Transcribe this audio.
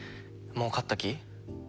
もう勝った気？